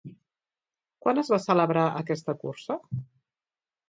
Quan es va celebrar aquesta cursa?